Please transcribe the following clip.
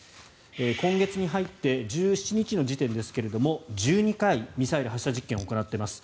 今月に入って１７日の時点ですが１２回、ミサイルの発射実験を行っています。